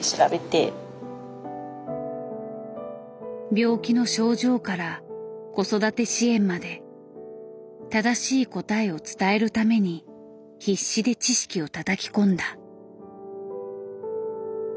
病気の症状から子育て支援まで正しい答えを伝えるために必死で知識をたたき込んだ。